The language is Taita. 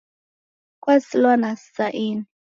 Kwasilwa sa ini